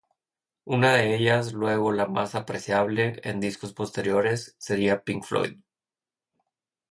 Una de ellas, luego la más apreciable, en discos posteriores, sería Pink Floyd.